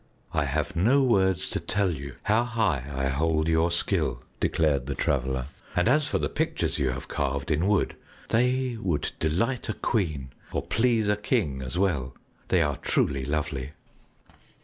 "I have no words to tell you how high I hold your skill," declared the Traveler, "and as for the pictures you have carved in wood, they would delight a queen or please a king as well. They are truly lovely."